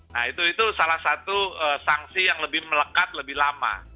nah itu salah satu sanksi yang lebih melekat lebih lama